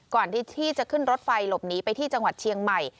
ก่อนที่จะขึ้นรถไฟหลบหนีไปที่จังหวัดเชียงใหม่